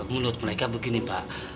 menurut mereka begini pak